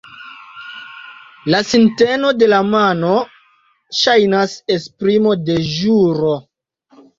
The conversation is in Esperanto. La sinteno de la mano ŝajnas esprimo de ĵuro.